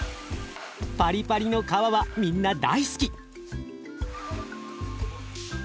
パリパリの皮はみんな大好き！